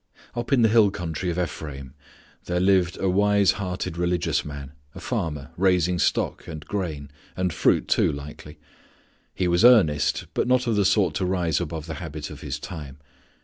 Up in the hill country of Ephraim there lived a wise hearted religious man, a farmer, raising stock, and grain; and fruit, too, likely. He was earnest but not of the sort to rise above the habit of his time.